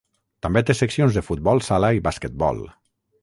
També té seccions de futbol sala i basquetbol.